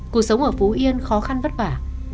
cuộc sống ở phú yên khó khăn vất vả